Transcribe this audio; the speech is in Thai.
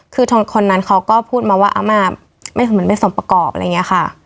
คือคนนั้นเขาก็พูดมาว่าอาม่าเหมือนไม่สมประกอบอะไรอย่างนี้ค่ะ